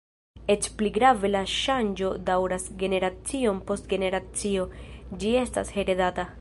Eĉ pli grave, la ŝanĝo daŭras generacion post generacio; ĝi estas heredata.